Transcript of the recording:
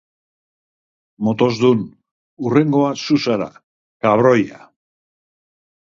Motosdun, hurrengoa zu zara, kabroia.